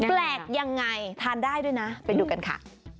แปลกยังไงทานได้ด้วยนะไปดูกันค่ะ